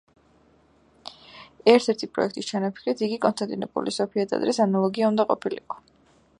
ერთ-ერთი პროექტის ჩანაფიქრით იგი კონსტანტინოპოლის სოფიას ტაძრის ანალოგი უნდა ყოფილიყო.